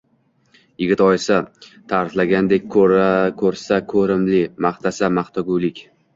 Yigit oyisi ta`riflagandek, ko`rsa ko`rimli, maqtasa maqtagulik